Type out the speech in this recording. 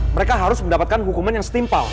mereka harus mendapatkan hukuman yang setimpal